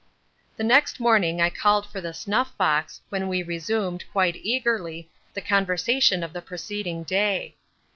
"The next morning I called for the snuff box, when we resumed, quite eagerly, the conversation of the preceding day.